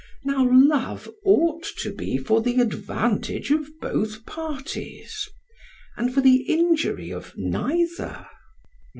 Now love ought to be for the advantage of both parties, and for the injury of neither.